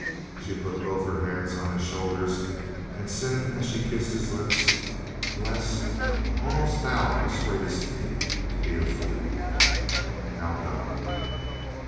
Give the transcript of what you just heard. She put both her hands on his shoulders and said as she kissed his lips: "Bles, almost thou persuadest me to be a fool. Now go."